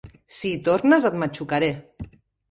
Si hi tornes et matxucaré!